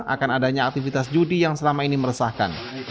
akan adanya aktivitas judi yang selama ini meresahkan